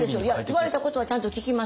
言われたことはちゃんと聞きますよ。